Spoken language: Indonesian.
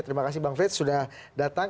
terima kasih bang frits sudah datang